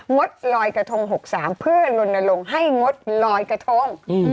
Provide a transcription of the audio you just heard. ดลอยกระทง๖๓เพื่อลนลงให้งดลอยกระทง